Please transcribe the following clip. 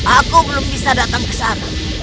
aku belum bisa datang kesana